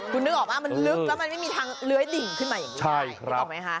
คุณนึกออกปะมันเนิ่นแล้วไม่มีทางเลื่อยดิ่งใช่ครับ